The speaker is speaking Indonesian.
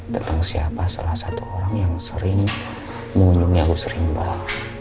tentang siapa salah satu orang yang sering mengunjungi aku sering pak